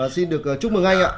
xin được chúc mừng anh ạ